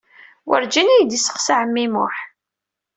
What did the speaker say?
Werǧin iyi-d-isteqsa ɛemmi Muḥ.